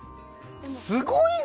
すごいね！